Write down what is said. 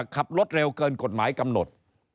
ขับรถเร็วเกินกฎหมายกำหนด